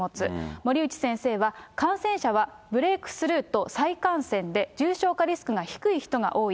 森内先生は、感染者は、ブレークスルーと再感染で、重症化リスクが低い人が多い。